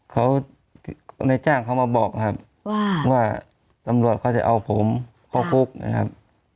เขาในจ้างเขามาบอกครับว่าตำรวจเขาจะเอาผมเข้าคุกนะครับ